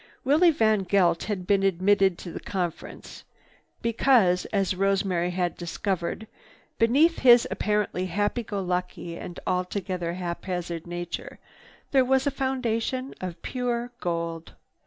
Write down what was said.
Willie VanGeldt had been admitted to the conference because, as Rosemary had discovered, beneath his apparently happy go lucky and altogether haphazard nature there was a foundation of pure gold.